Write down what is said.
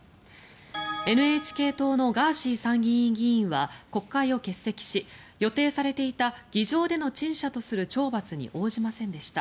ＮＨＫ党のガーシー参議院議員は国会を欠席し予定されていた議場での陳謝とする懲罰に応じませんでした。